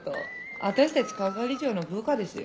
私たち係長の部下ですよ。